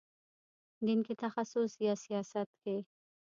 دین کې تخصص یا سیاست کې.